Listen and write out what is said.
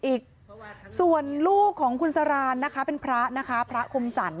อีกส่วนลูกของคุณสรานนะคะเป็นพระนะคะพระคมสรร